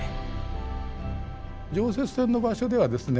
常設展の場所ではですね